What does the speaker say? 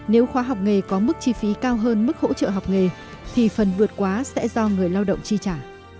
nếu khóa học nghề có mức chi phí cao hơn mức hỗ trợ học nghề thì phần vượt quá sẽ do người lao động chi trả